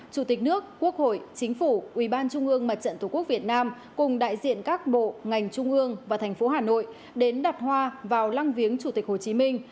chủ tịch nước quốc hội chính phủ ủy ban trung ương mặt trận tổ quốc việt nam cùng đại diện các bộ ngành trung ương và thành phố hà nội đến đặt hoa vào lăng viếng chủ tịch hồ chí minh